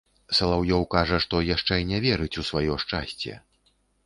Салаўёў кажа, што яшчэ не верыць у сваё шчасце.